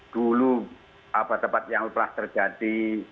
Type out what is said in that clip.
dulu apa tempat yang pernah terjadi